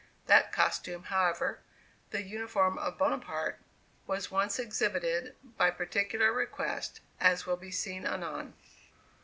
That costume, however, the uniform of Bonaparte was once exhibited, by particular request, as will be seen anon.